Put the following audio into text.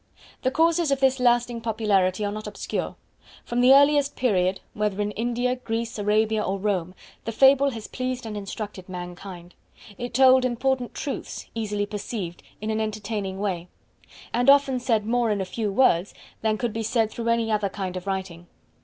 The causes of this lasting popularity are not obscure. From the earliest period whether in India, Greece, Arabia or Rome the Fable has pleased and instructed mankind. It told important truths, easily perceived, in an entertaining way; and often said more in a few words than could be said through any other kind of writing.